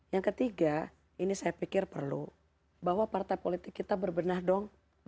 yang ketiga ini saya pikir perlu bahwa partai politik kita berbenah dong